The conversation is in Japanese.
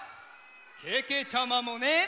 けけちゃまもね！